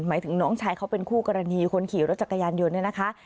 หมายถึงน้องชายเขาเป็นคู่กรณีคนขี่รถจักรยานยนต์เนี่ยนะคะ